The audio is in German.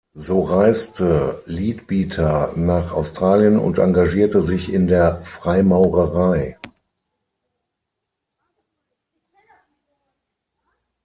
So reiste Leadbeater nach Australien und engagierte sich in der Freimaurerei.